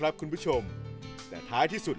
คิกคิกคิกคิกคิกคิกคิก